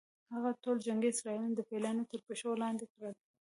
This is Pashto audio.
هغه ټول جنګي اسیران د پیلانو تر پښو لاندې کړل.